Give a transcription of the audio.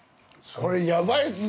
◆これ、やばいっすね。